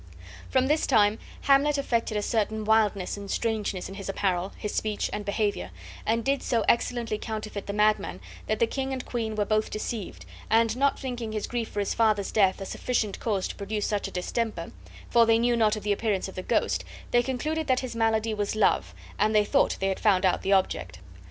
From this time Hamlet affected a certain wildness and strangeness in his apparel, his speech, and behavior, and did so excellently counterfeit the madman that the king and queen were both deceived, and not thinking his grief for his father's death a sufficient cause to produce such a distemper, for they knew not of the appearance of the ghost, they concluded that his malady was love and they thought they had found out the object.